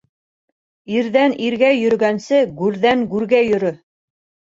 Ирҙән иргә йөрөгәнсе, гүрҙән гүргә йөрө.